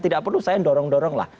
tidak perlu saya dorong dorong lah